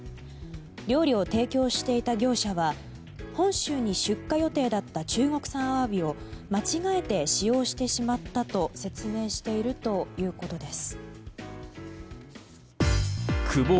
料理を提供していた業者は本州に出荷予定だった中国産アワビを間違えて使用してしまったと説明しているということです。